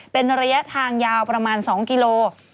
เป็นระยะทางยาวประมาณ๒กิโล